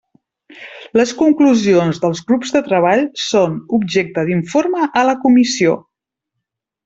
Les conclusions dels grups de treball són objecte d'informe a la Comissió.